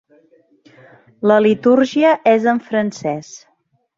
La litúrgia és en francès.